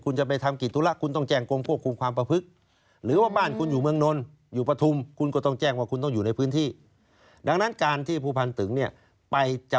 ในกรุงเทพฯคุณก็ต้องอยู่ในกรุงเทพฯ